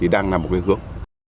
đang là một lý hướng